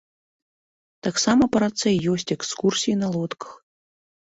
Таксама па рацэ ёсць экскурсіі на лодках.